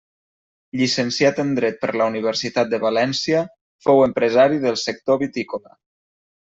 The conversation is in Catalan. Llicenciat en dret per la Universitat de València, fou empresari del sector vitícola.